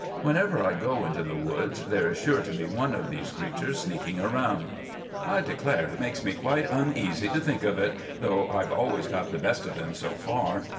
Whenever I go into the woods there is sure to be one of these creatures sneaking around. I declare it makes me quite uneasy to think of it, though I've always got the best of them so far.